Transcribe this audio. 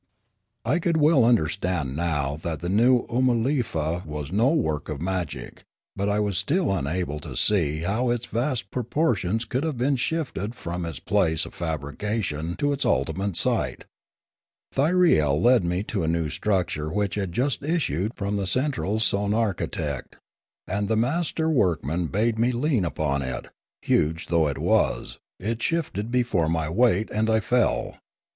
I could well understand now that the new Oomalefa was no work of magic; but I was still unable to see how its vast proportions could have been shifted from its place of fabrication to its ultimate site. Thyriel led me to a new structure which had just issued from the central sonarchitect; and the master workman bade me lean upon it; huge though it was, it shifted before my weight and I fell.